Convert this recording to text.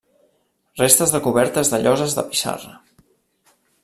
Restes de cobertes de lloses de pissarra.